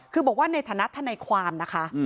คือบอกว่าในฐานะทนายความนะคะ